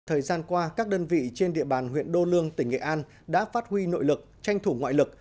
thời gian qua các đơn vị trên địa bàn huyện đô lương tỉnh nghệ an đã phát huy nội lực tranh thủ ngoại lực